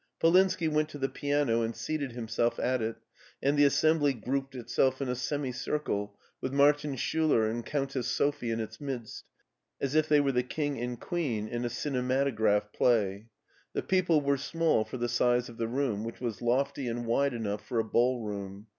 Polinski went to the piano and seated himself at it, and the assembly grouped itself in a semi circle, with Martin Schiiler and Countess Sophie in its midst, as if they were the king and queen in a cinematograph play. The people were small for the size of the room, which was lofty and wide enough for a ballroom.